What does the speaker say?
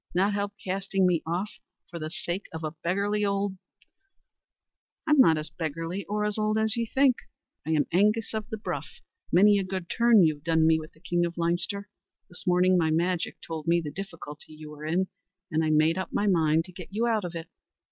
Not help casting me off for the sake of a beggarly old " "I'm not as beggarly or as old as ye think. I am Angus of the Bruff; many a good turn you've done me with the king of Leinster. This morning my magic told me the difficulty you were in, and I made up my mind to get you out of it.